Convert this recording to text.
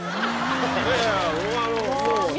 いやいやあのもうね。